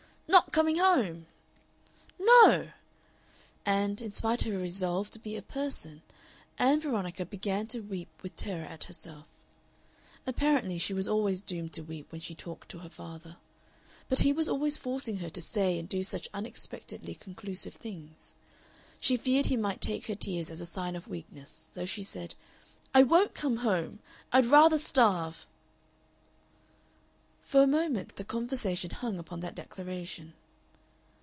"Not coming home!" "No!" And, in spite of her resolve to be a Person, Ann Veronica began to weep with terror at herself. Apparently she was always doomed to weep when she talked to her father. But he was always forcing her to say and do such unexpectedly conclusive things. She feared he might take her tears as a sign of weakness. So she said: "I won't come home. I'd rather starve!" For a moment the conversation hung upon that declaration.